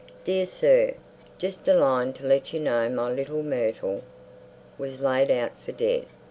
"Dear Sir,—Just a line to let you know my little Myrtil was laid out for dead....